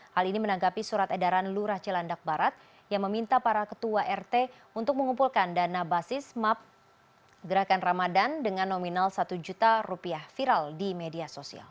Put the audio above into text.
hal ini menanggapi surat edaran lurah cilandak barat yang meminta para ketua rt untuk mengumpulkan dana basis map gerakan ramadan dengan nominal satu juta rupiah viral di media sosial